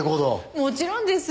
もちろんです。